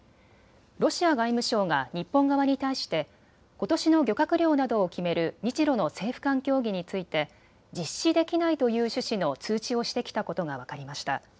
ロシア外務省が日本側に対してことしの漁獲量などを決める日ロの政府間協議について実施できないという趣旨の通知をしてきたことが分かりました。